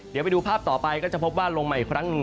เดี๋ยวไปดูภาพต่อไปก็จะพบว่าลงมาอีกครั้งหนึ่ง